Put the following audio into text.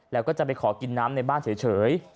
แล้วก็จะไปขอกินน้ำในบ้านเฉย